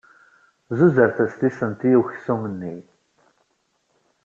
Zuzret-as tissent i uksum-nni.